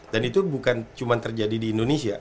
dan itu bukan cuma terjadi di indonesia